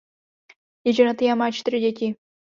Je ženatý a má čtyři děti.